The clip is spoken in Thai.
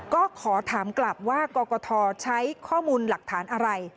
ก็ขอถามกลับว่ากรกฐใช้ข้อมูลหลักฐานอะไร